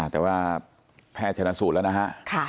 แต่ว่าแพทย์ชนะสูตรแล้วนะฮะ